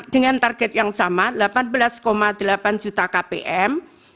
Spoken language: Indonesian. dengan targetnya delapan belas delapan juta kpm